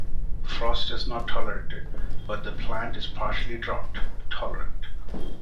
Frost is not tolerated, but the plant is partially drought tolerant.